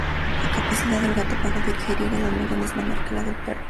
La capacidad del gato para digerir el almidón es menor que la del perro.